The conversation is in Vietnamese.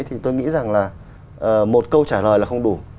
thì tôi nghĩ rằng là một câu trả lời là không đủ